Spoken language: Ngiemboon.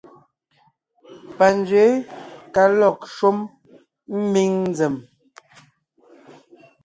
Panzwě ka lɔg shúm ḿbiŋ nzèm.